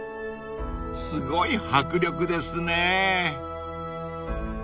［すごい迫力ですね］